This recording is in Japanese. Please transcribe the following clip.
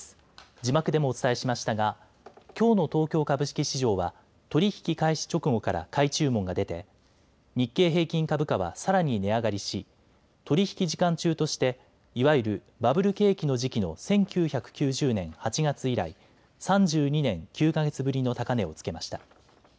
字幕でもお伝えしましたがきょうの東京株式市場は取り引き開始直後から買い注文が出て日経平均株価はさらに値上がりし取り引き時間中としていわゆるバブル景気の時期の１９９０年８月以来、３２年９か月ぶりの高値をつけました。